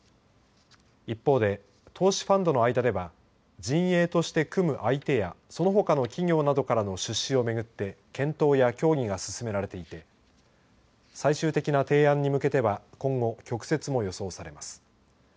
一方で、投資ファンドの間では陣営として組む相手やそのほかの企業などからの出資を巡って検討や協議が進められていて最終的な提案に向けては今後、曲折も予想されます。